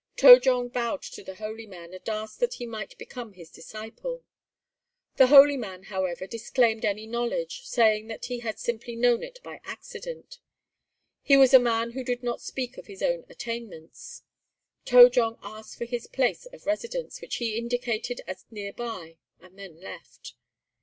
To jong bowed to the "holy man" and asked that he might become his disciple. The "holy man," however, disclaimed any knowledge, saying that he had simply known it by accident. He was a man who did not speak of his own attainments. To jong asked for his place of residence, which he indicated as near by, and then left.